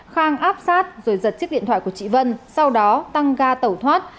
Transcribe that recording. khang áp sát rồi giật chiếc điện thoại của chị vân sau đó tăng ga tẩu thoát